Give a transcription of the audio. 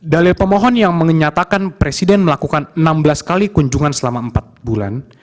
dalil pemohon yang menyatakan presiden melakukan enam belas kali kunjungan selama empat bulan